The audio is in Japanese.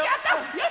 よし！